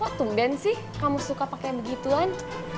kok tunden sih kamu suka pake yang begituan